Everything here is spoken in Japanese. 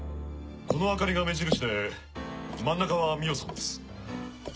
この明かりが目印で真ん中は美緒さんです。